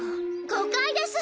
誤解です。